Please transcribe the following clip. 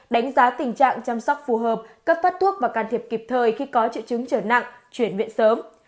đánh giá tình trạng chăm sóc phù hợp cấp phát thuốc và can thiệp kịp thời khi có triệu chứng trở nặng chuyển viện sớm